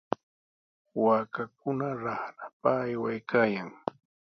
Waakakuna raqrapa aywaykaayan.